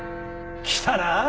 来たな！